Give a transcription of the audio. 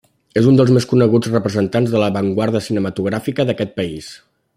És un dels més coneguts representants de l'avantguarda cinematogràfica d'aquest país.